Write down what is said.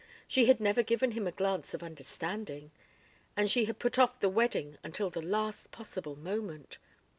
... She had never given him a glance of understanding. ... And she had put off the wedding until the last possible moment.